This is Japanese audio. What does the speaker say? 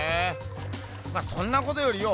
まそんなことよりよ